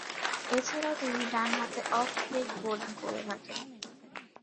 এছাড়াও তিনি ডানহাতে অফ ব্রেক বোলিং করে থাকেন।